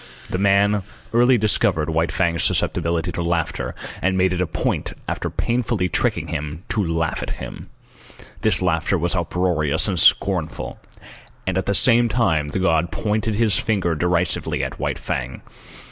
The man early discovered White Fang's susceptibility to laughter, and made it a point after painfully tricking him, to laugh at him. This laughter was uproarious and scornful, and at the same time the god pointed his finger derisively at White Fang.